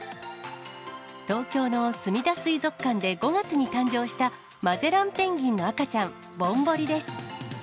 東京のすみだ水族館で５月に誕生したマゼランペンギンの赤ちゃん、ぼんぼりです。